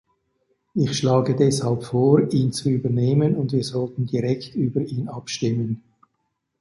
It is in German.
Ich schlage deshalb vor, ihn zu übernehmen, und wir sollten direkt über ihn abstimmen.